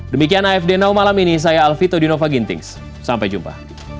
demikian afd now malam ini saya alvito dinova gintings sampai jumpa